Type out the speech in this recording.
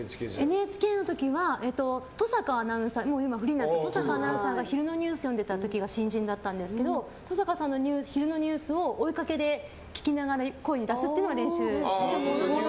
ＮＨＫの時は今フリーになってる登坂アナウンサーが昼のニュース読んでた時新人だったんですけど登坂さんの昼のニュースを追いかけで聞きながら声に出すっていう練習。